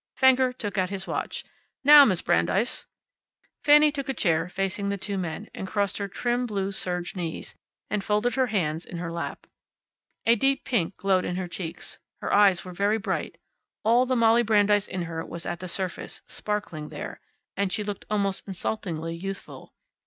Fenger took out his watch. "Now, Miss Brandeis." Fanny took a chair facing the two men, and crossed her trim blue serge knees, and folded her hands in her lap. A deep pink glowed in her cheeks. Her eyes were very bright. All the Molly Brandeis in her was at the surface, sparkling there. And she looked almost insultingly youthful.